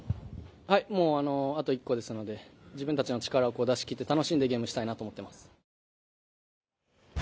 もうあと１個ですので自分たちの力を出しきって、楽しんでゲームしたいなと思っています。